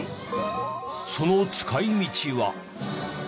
その使い道は？